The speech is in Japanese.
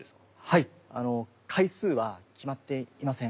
はいあの回数は決まっていません。